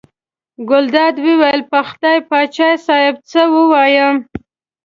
ګلداد وویل: په خدای پاچا صاحب څه ووایم.